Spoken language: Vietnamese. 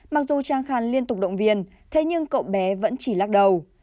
mặc dù trang khan liên tục động viên thế nhưng cậu bé vẫn chỉ lắc đầu